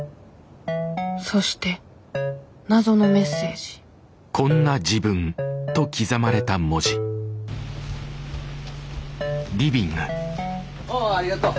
そして謎のメッセージおおありがとう。